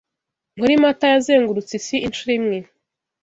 Muri Mata yazengurutse isi inshuro imwe